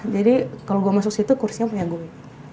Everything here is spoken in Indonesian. jadi kalau gue masuk situ kursinya punya gue